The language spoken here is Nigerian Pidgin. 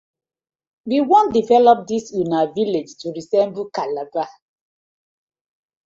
We wan develop dis una villag to resemble Calabar.